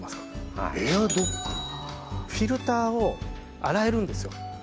フィルターを洗えるんですよ